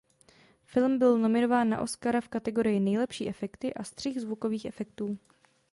Film byl nominován na Oscara v kategorii nejlepší efekty a střih zvukových efektů.